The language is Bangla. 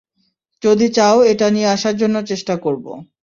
যদি চাও এটা নিয়ে আসার জন্য চেষ্টা করবো।